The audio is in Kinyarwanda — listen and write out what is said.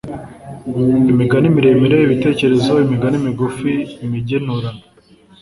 imigani miremire, ibitekerezo, imigani migufi (imigenurano)